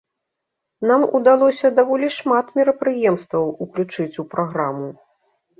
Нам удалося даволі шмат мерапрыемстваў уключыць у праграму.